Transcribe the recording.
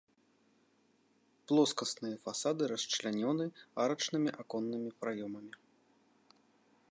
Плоскасныя фасады расчлянёны арачнымі аконнымі праёмамі.